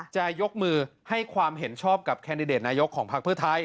จะยกมือให้ความเห็นชอบกับแคนดิเดตนายกของพักเพื่อไทย